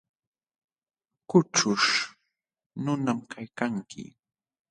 Kućhuśh nunam kaykanki.